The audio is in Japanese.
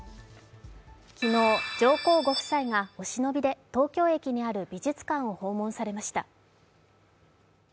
昨日、上皇ご夫妻がお忍びで東京駅にある美術館を訪問されました。